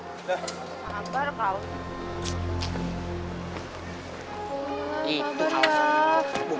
gak sabar kau